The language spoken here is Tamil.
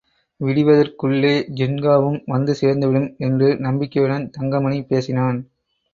விடிவதற்குள்ளே ஜின்காவும் வந்து சேர்ந்துவிடும் என்று நம்பிக்கையுடன் தங்கமணி பேசினான்.